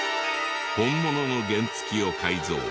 本物の原付きを改造。